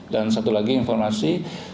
dan satu lagi informasi